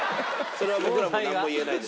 それは僕らも何も言えないです。